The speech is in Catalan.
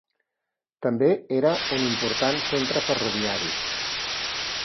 També era un important centre ferroviari.